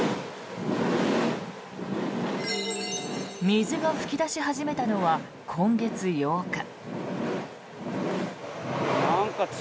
水が噴き出し始めたのは今月８日。